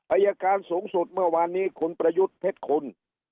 อายการสูงสุดเมื่อวานนี้คุณประยุทธ์เพชรคุณ